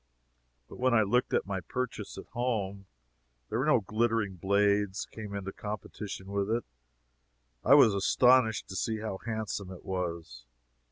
But when I looked at my purchase, at home, where no glittering blades came into competition with it, I was astonished to see how handsome it was.